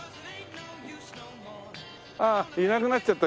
ああいなくなっちゃった。